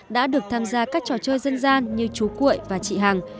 đã được tham gia các trò chơi dân gian như chú cuội và chị hằng